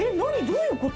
どういう事？